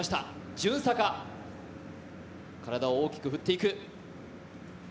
順逆、体を大きく振っていく。